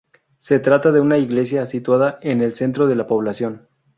Se trata de una iglesia, situada en el centro de la población.